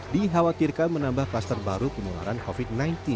dikhawatirkan menambah kluster baru penularan covid sembilan belas